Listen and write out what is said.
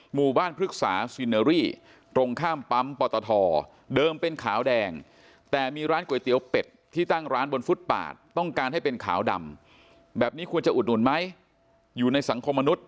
หมู่บ้านพฤษาสีเนอรี่ตรงข้ามปั๊มปตทเดิมเป็นขาวแดง